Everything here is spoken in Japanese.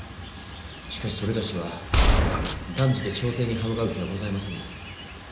しかし某は断じて朝廷に刃向かう気はございませぬ。